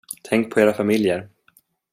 Tänk på era familjer.